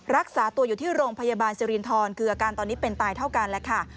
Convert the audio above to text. รักษาตัวอยู่ที่โรงพยาบาลสิรินทรคืออาการตอนนี้เป็นตายเท่ากันแล้วค่ะ